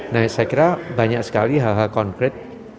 nah saya kira banyak sekali hal hal konkret